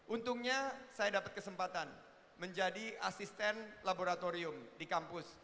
untungnya saya dapat kesempatan menjadi asisten laboratorium di kampus